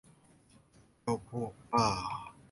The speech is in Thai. เจ้าพวกบ้า